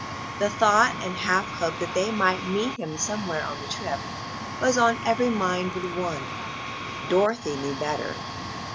The thought and half hope that they might meet him somewhere on the trip was in every mind but one. Dorothy knew better.